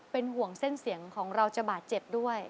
เป็นห่วงเส้นเสียงของเราจะบาดเจ็บด้วย